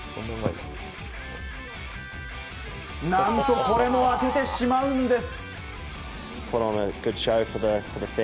何とこれも当ててしまうんです。